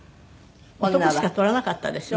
男しか採らなかったでしょ？